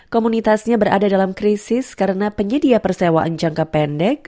komunitasnya berada dalam krisis karena penyedia persewaan jangka pendek